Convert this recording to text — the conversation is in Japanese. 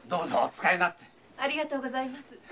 ありがとうございます。